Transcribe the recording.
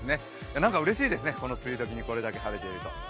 なんかうれしいですね、この梅雨時にこれだけ晴れているのは。